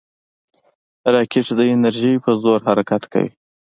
راکټ د انرژۍ په زور حرکت کوي